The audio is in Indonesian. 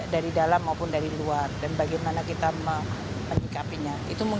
dari dalam maupun dari luar dan bagaimana kita menyikapinya